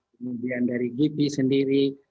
kemudian dari gipi sendiri